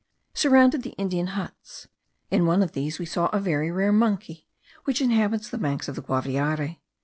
surrounded the Indian huts; in one of which we saw a very rare monkey, which inhabits the banks of the Guaviare.